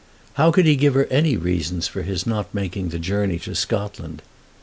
How could he give her any reasons for his not making the journey to Scotland?